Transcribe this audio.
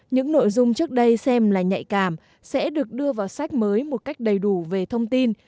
những nội dung trước đây xem là nhạy cảm sẽ được đưa vào sách mới một cách đầy đủ về thông tin